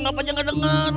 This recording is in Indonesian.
ngapain yang gak denger